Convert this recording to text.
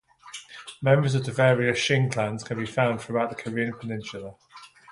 Members of the various Shin clans can be found throughout the Korean peninsula.